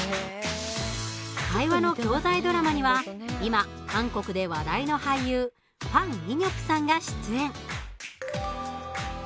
会話の教材ドラマには今、韓国で話題の俳優ファン・イニョプさんが出演。